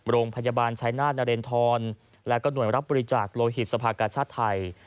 โรงพันยาบาลชัยนาศนเรนทรและก็หน่วยรับบริจักษ์โลหิตสภาคกระชาชนไทย